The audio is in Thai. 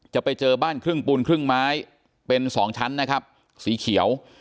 จะไปเจอบ้านครึ่งปูนครึ่งไม้เป็นสองชั้นนะครับสีเขียว